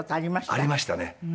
ありましたね。